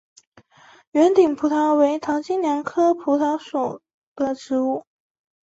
圆顶蒲桃为桃金娘科蒲桃属的植物。